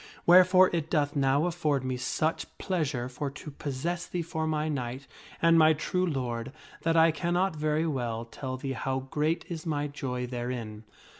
Wherefore it doth now afford me such pleasure for to possess thee for my knight and my true lord, that I cannot very well tell thee how great is my joy therein."